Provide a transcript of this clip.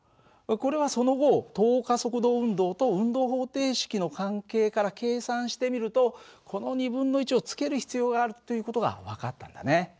これはその後等加速度運動と運動方程式の関係から計算してみるとこのをつける必要があるという事が分かったんだね。